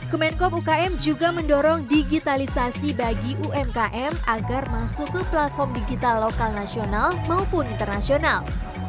kemenkop ukm juga mendorong digitalisasi bagi umkm agar masuk ke platform digital lokal nasional maupun internasional